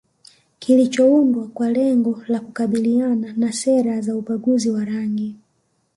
kilichoundwa kwa lengo la kukabiliana na sera za ubaguzi wa rangi